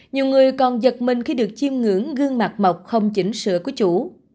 nhiều người còn giật mình khi được chiêm ngưỡng gương mặt mọc không chỉnh sửa của chủ